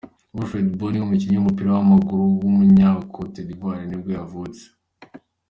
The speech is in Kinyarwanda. Wilfried Bony, umukinnyi w’umupira w’amaguru w’umunyakote d’ivoire nibwo yavutse.